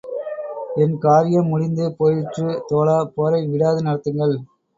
என் காரியம் முடிந்து போயிற்று தோழா போரை விடாது நடத்துங்கள்!